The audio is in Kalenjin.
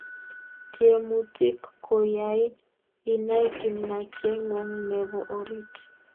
Tiemutik ko yain inai kimnatengung ne bo orit